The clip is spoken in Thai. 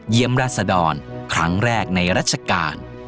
เยี่ยมราชดอนครั้งแรกในรัชกาล